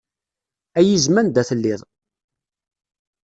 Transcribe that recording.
Ay izem anda telliḍ.